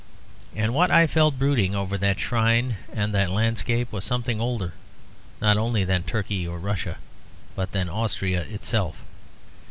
And what I felt brooding over that shrine and that landscape was something older not only than Turkey or Russia but than Austria itself.